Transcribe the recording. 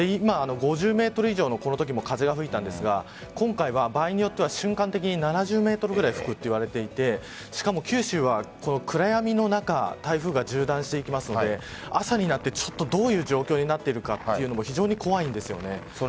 ５０メートル以上の風が吹いたんですが今回は場合によっては瞬間的に７０メートルくらい吹くと言われていてしかも九州は暗闇の中台風が縦断していきますので朝になって、どういう状況になっているかというのは非常に怖いですよね。